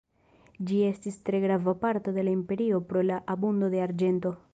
Ĝi estis tre grava parto de la imperio pro la abundo de arĝento.